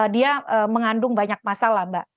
dia mengandung banyak masalah mbak